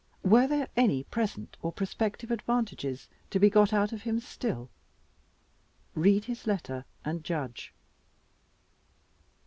Were there any present or prospective advantages to be got out of him still? Read his letter, and judge.